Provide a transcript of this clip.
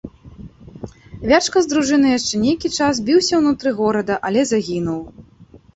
Вячка з дружынай яшчэ нейкі час біўся ўнутры горада, але загінуў.